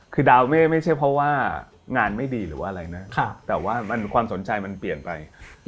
คือดาวเม่ไม่ใช่เพราะว่างานไม่ดีหรือว่าอะไรนะแต่ว่าความสนใจมันเปลี่ยนไป